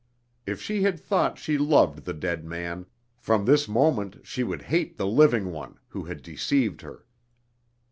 If she had thought she loved the dead man, from this moment she would hate the living one, who had deceived her.